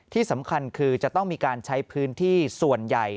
ที่สำคัญคือจะต้องมีการใช้พื้นที่ส่วนใหญ่